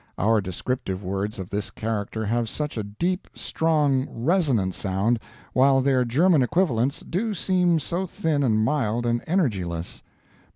Our descriptive words of this character have such a deep, strong, resonant sound, while their German equivalents do seem so thin and mild and energyless.